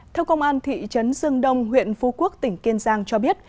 theo công an thị trấn dương đông huyện phú quốc tỉnh kiên giang cho biết